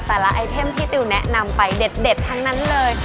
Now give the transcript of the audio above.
ไอเทมที่ติวแนะนำไปเด็ดทั้งนั้นเลย